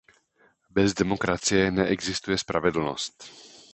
Bez demokracie neexistuje spravedlnost.